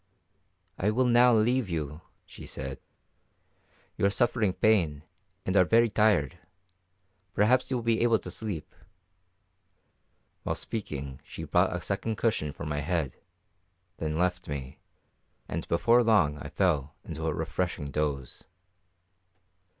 "I will now leave you," she said. "You are suffering pain, and are very tired. Perhaps you will be able to sleep." While speaking she brought a second cushion for my head, then left me, and before long I fell into a refreshing doze.